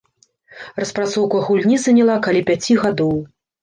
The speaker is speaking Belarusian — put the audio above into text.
Распрацоўка гульні заняла каля пяці гадоў.